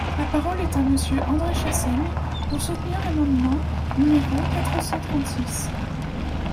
La parole est à Monsieur André Chassaigne, pour soutenir l’amendement numéro quatre cent trente-six.